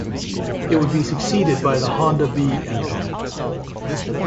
It would be succeeded by the Honda B engine.